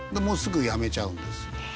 もうすぐやめちゃうんです。